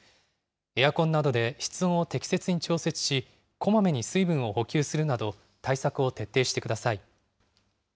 エアコンなどで室温を適切に調節し、こまめに水分を補給するなど、対策を徹底してください。